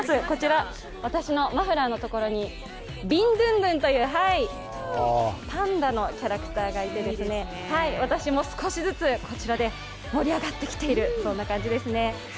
こちら、私のマフラーのところにビンドゥンドゥンというパンダのキャラクターがいて、私も少しずつ、こちらで盛り上がってきている感じですね。